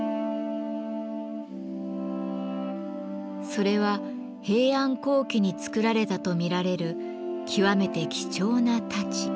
それは平安後期に作られたと見られる極めて貴重な太刀。